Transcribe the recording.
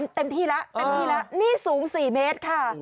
เต็มที่ละนี่สูง๔เมตรค่ะ